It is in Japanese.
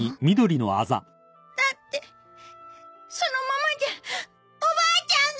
だってそのままじゃおばあちゃんが！